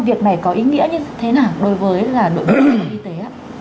việc này có ý nghĩa như thế nào đối với đội bệnh viện y tế